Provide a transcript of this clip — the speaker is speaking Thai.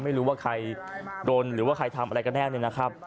ไม่รู้ว่าใครโดนหรือว่าใครทำอะไรกันแน่เนี่ยนะครับ